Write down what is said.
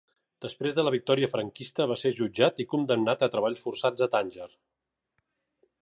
Després de la victòria franquista va ser jutjat i condemnat a treballs forçats a Tànger.